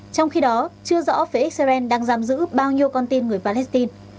trong khi đó chưa rõ phía israel đang giam giữ bao nhiêu con tin người palestine